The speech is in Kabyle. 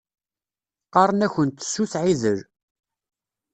Qqaṛen-akunt Sut Ɛidel.